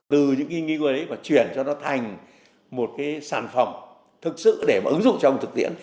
từ những nghi ngư ấy và chuyển cho nó thành một sản phẩm thực sự để ứng dụng trong thực tiễn